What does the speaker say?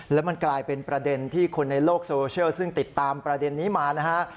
แล้วมันกลายเป็นประเด็นที่คนในโลกโซเชียลซึ่งติดตามประเด็นนี้มานะฮะ